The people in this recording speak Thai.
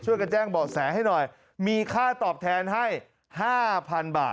ช่วยกันแจ้งบอกแสให้หน่อยมีค่าตอบแทนให้๕๐๐๐บาทนะครับ